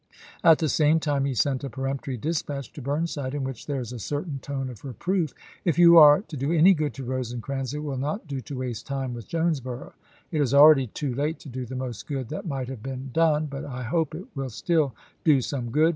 At the same time he sent a peremptory dispatch to Burnside, in which there is a certain tone of reproof :" If you are to do any good to Rosecrans it will not do to waste time with Jonesboro. It is already too late to do the most good that might have been done, but I hope it will still do some good.